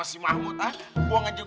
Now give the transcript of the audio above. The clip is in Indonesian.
ya tidak shut bu stuk